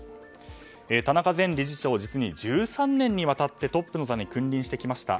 田中前理事長実に１３年にわたってトップに君臨してきました。